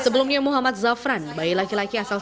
sebelumnya muhammad zafran bayi laki laki asal